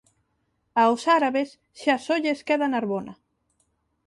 Aos árabes xa só lles queda Narbona.